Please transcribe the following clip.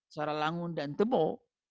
saralangun dan tembok